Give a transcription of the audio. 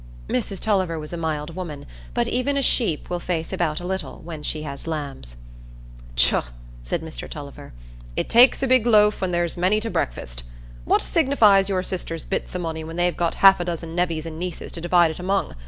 Mrs Tulliver was a mild woman, but even a sheep will face about a little when she has lambs. "Tchuh!" said Mr Tulliver. "It takes a big loaf when there's many to breakfast. What signifies your sisters' bits o' money when they've got half a dozen nevvies and nieces to divide it among?